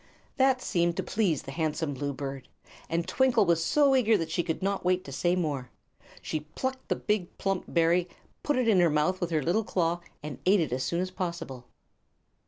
That seemed to please the handsome blue bird, and Twinkle was so eager that she could not wait to say more. She plucked the big, plump berry, put it in her mouth with her little claw, and ate it as soon as possible.